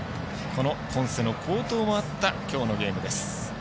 このポンセの好投もあったきょうのゲームです。